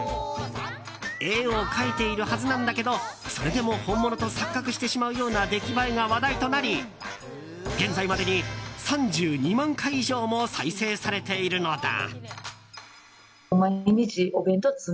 絵を描いているはずなんだけどそれでも本物と錯覚してしまうような出来栄えが話題となり現在までに３２万回以上も再生されているのだ。